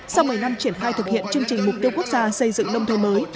sau một mươi năm triển khai thực hiện chương trình mục tiêu quốc gia xây dựng nông thôn mới